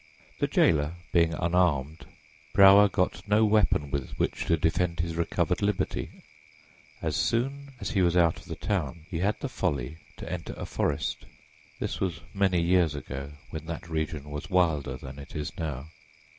The jailer being unarmed, Brower got no weapon with which to defend his recovered liberty. As soon as he was out of the town he had the folly to enter a forest; this was many years ago, when that region was wilder than it is now.